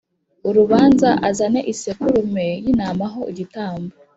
Urubanza azane isekurume y intama ho igitambo